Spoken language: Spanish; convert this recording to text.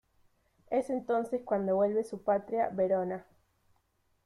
Es entonces cuando vuelve a su patria, Verona.